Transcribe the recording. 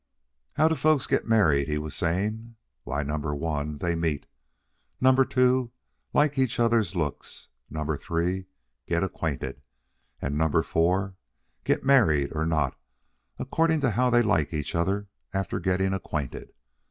"How do folks get married?" he was saying. "Why, number one, they meet; number two, like each other's looks; number three, get acquainted; and number four, get married or not, according to how they like each other after getting acquainted.